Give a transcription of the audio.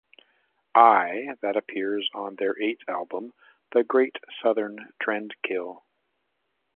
I", that appears on their eighth album, "The Great Southern Trendkill".